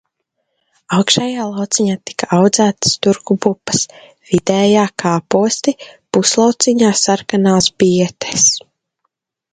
Augšējā lauciņā tika audzētas turku pupas, vidējā kāposti, puslauciņā sarkanās bietes.